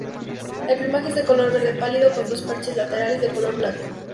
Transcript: Su plumaje es de color verde pálido, con dos parches laterales de color blanco.